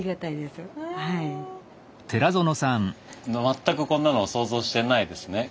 全くこんなの想像してないですね。